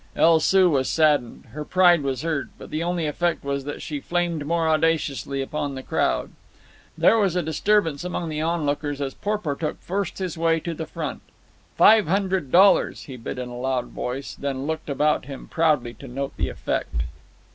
El Soo was saddened; her pride was hurt; but the only effect was that she flamed more audaciously upon the crowd. There was a disturbance among the onlookers as Porportuk forced his way to the front. "Five hundred dollars!" he bid in a loud voice, then looked about him proudly to note the effect.